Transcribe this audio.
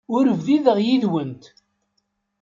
Ur bdideɣ yid-went.